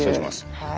はい。